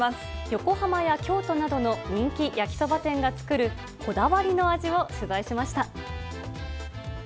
横浜や京都などの人気焼きそば店が作るこだわりの味を取材しました。